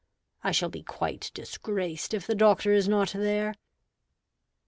I shall be quite disgraced if the Doctor is not there."